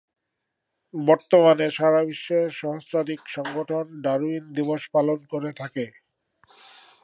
বর্তমানে সারা বিশ্বের সহস্রাধিক সংগঠন ডারউইন দিবস পালন করে থাকে।